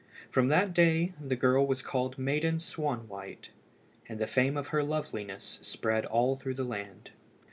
From that day the girl was called the Maiden Swanwhite, and the fame of her loveliness spread all through the land.